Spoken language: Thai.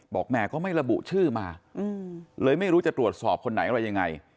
แม่ก็ไม่ระบุชื่อมาเลยไม่รู้จะตรวจสอบคนไหนอะไรยังไง